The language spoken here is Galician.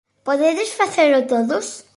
Podedes facelo todos?